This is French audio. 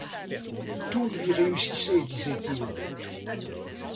Tout lui réussissait, disait-il.